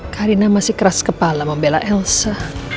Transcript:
karina masih keras kepala membela elsa